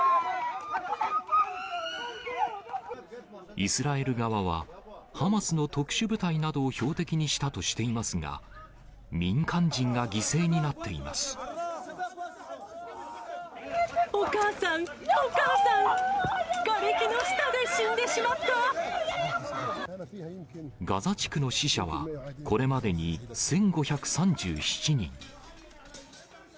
イスラエル側は、ハマスの特殊部隊などを標的にしたとしていますが、民間人が犠牲お母さん、お母さん、ガザ地区の死者は、これまでに１５３７人。